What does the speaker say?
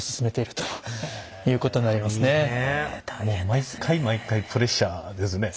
毎回毎回プレッシャーですね。